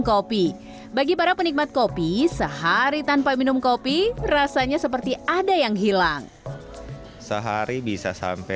kopi bagi para penikmat kopi sehari tanpa minum kopi rasanya seperti ada yang hilang sehari bisa sampai